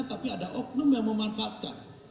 tapi ada oknum yang memanfaatkan